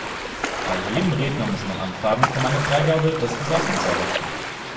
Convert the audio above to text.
Bei jedem Redner muss man anfragen, um eine Freigabe des Gesagten zu erhalten.